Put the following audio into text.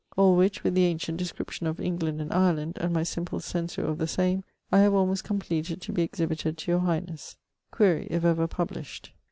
All which with the ancient description of England and Ireland, and my simple censure of the same, I have almost compleated to be exhibited to your highnesse.' Quaere if ever published?